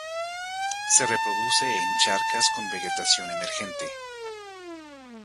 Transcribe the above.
Se reproduce en charcas con vegetación emergente.